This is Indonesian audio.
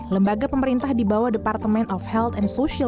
lembaga pemerintah di bawah departemen of health and social